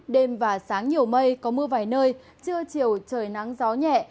đêm và sáng nhiều mây có mưa vài nơi trưa chiều trời nắng gió nhẹ